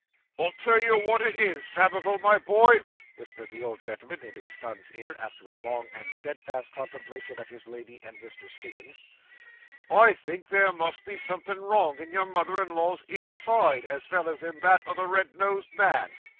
'I'll tell you wot it is, Samivel, my boy,' whispered the old gentleman into his son's ear, after a long and steadfast contemplation of his lady and Mr. Stiggins; 'I think there must be somethin' wrong in your mother in law's inside, as vell as in that o' the red nosed man.